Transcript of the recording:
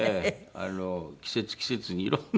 季節季節にいろんな。